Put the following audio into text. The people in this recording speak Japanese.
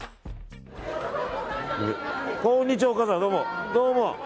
こんにちは、お母さん、どうも。